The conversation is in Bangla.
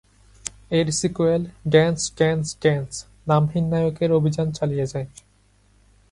এর সিক্যুয়েল, "ড্যান্স, ড্যান্স, ড্যান্স", নামহীন নায়কের অভিযান চালিয়ে যায়।